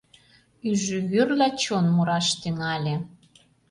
Ӱжӱвӱрла чон мураш тӱҥале.